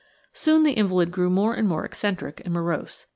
Soon the invalid grew more and more eccentric and morose.